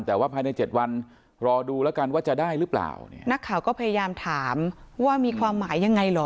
แต่ว่าภายในเจ็ดวันรอดูแล้วกันว่าจะได้หรือเปล่าเนี่ยนักข่าวก็พยายามถามว่ามีความหมายยังไงเหรอ